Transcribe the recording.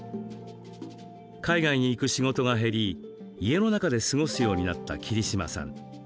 海外に行く仕事が減り家の中で過ごすようになった桐島さん。